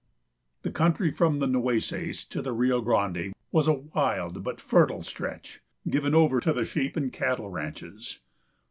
The country from the Nueces to the Rio Grande was a wild but fertile stretch, given over to the sheep and cattle ranches.